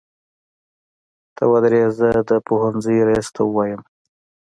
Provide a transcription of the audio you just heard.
ته ودرې زه د پوهنځۍ ريس ته وويمه.